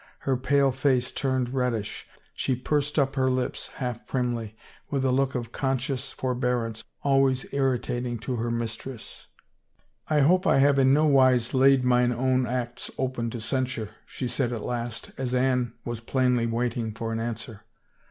Her pale face turned reddish, she pursed up her lips, half primly, with a look of conscious forbearance always irritating to her mistress. " I hope I have in no wise laid mine own acts open to censure," she said at last, as Anne was plainly waiting for an answer.